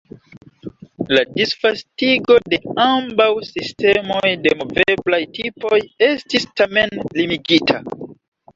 La disvastigo de ambaŭ sistemoj de moveblaj tipoj estis, tamen, limigita.